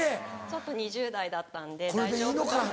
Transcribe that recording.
その時２０代だったんで大丈夫かな？